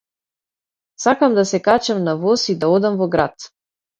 Сакам да се качам на воз и да одам во град.